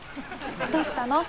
どうしたの？